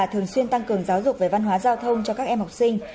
thường xuyên tăng cường giáo dục về văn hóa giao thông cho các em học sinh